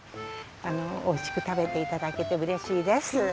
おいしくたべていただけてうれしいです。